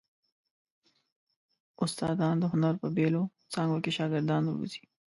استادان د هنر په بېلو څانګو کې شاګردان روزي.